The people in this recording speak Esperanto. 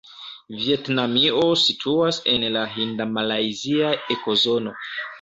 Vjetnamio situas en la hinda-malajzia ekozono.